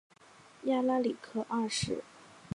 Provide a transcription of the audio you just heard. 亚拉里克二世。